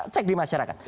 cek di masyarakat